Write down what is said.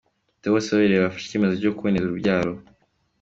Theo Bosebabireba yafashe icyemezo cyo kuboneza urubyaro.